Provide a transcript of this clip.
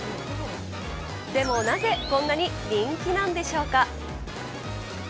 でもなぜこんなに人気なんでしょうか。